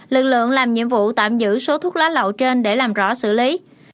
lực lượng làm nhiệm vụ tạm giữ số thuốc lá lậu trên để làm rõ xử lý